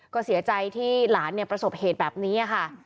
ก็เสียใจที่หลานประสบเหตุแบบนี้ค่ะ